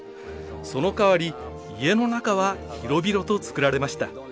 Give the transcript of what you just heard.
そのかわり家の中は広々と造られました。